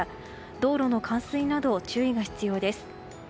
道路の冠水などに注意が必要です。